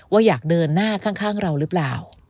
อยากเดินหน้าข้างเราหรือเปล่า